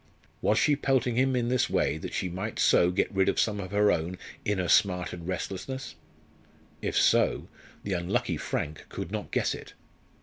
Was she pelting him in this way that she might so get rid of some of her own inner smart and restlessness? If so, the unlucky Frank could not guess it.